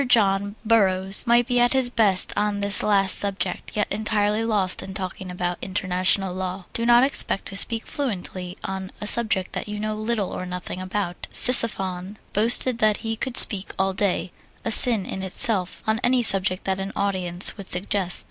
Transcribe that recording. John Burroughs might be at his best on this last subject, yet entirely lost in talking about international law. Do not expect to speak fluently on a subject that you know little or nothing about. Ctesiphon boasted that he could speak all day (a sin in itself) on any subject that an audience would suggest.